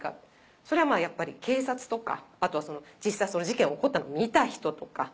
それはやっぱり警察とかあとは実際その事件を起こったのを見た人とか。